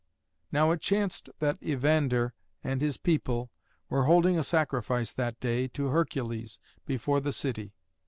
Now it chanced that Evander and his people were holding a sacrifice that day to Hercules before the city.